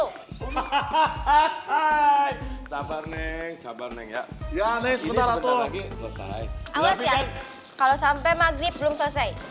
hahaha sabar neng sabar neng ya ya neng sebentar lagi selesai kalau sampai maghrib belum selesai